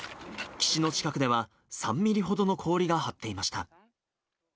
岸の近くでは、３ミリほどの氷が張っていました。